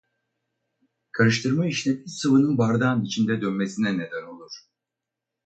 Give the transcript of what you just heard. Karıştırma işlemi sıvının bardağın içinde dönmesine neden olur.